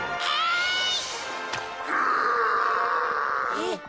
えっ？